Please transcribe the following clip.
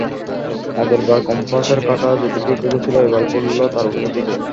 আগেরবার কম্পাসের কাঁটা যেদিকে ঘুরেছিল, এবার ঘুরল তার উল্টোদিকে।